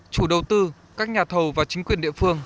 chủ đầu tư các nhà thầu và chính quyền địa phương